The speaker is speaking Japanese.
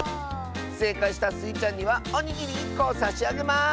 せいかいしたスイちゃんにはおにぎり１こをさしあげます！